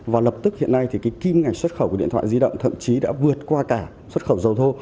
và lập tức hiện nay thì cái kim ngạch xuất khẩu của điện thoại di động thậm chí đã vượt qua cả xuất khẩu dầu thô